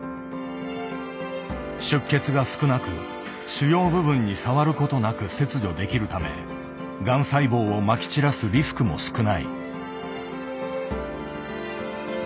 出血が少なく腫瘍部分に触ることなく切除できるためがん細胞をまき散らすリスクも少ない。